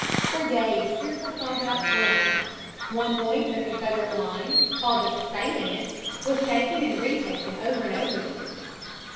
For days fearful combats went on. One point in the Confederate line, called the Salient, was taken and retaken over and over again.